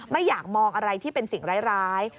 ไม่อยากมองอะไรที่เป็นสิ่งร้าย